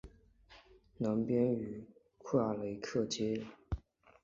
南边与库雅雷克接壤。